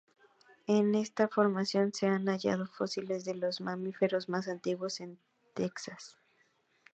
En esta formación se han hallado fósiles de los mamíferos más antiguos de Texas.